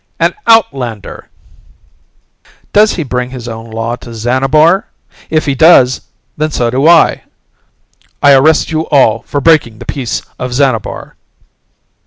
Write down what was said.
"An outlander!" "Does he bring his own law to Xanabar? If he does, then so do I!" "I arrest you all for breaking the Peace of Xanabar."